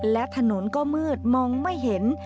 และถนนก็มืดมองไม่เห็น